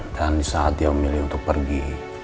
dan di saat dia memilih untuk pergi